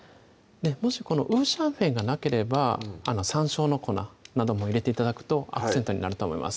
もしこの五香粉がなければさんしょうの粉なども入れて頂くとアクセントになると思います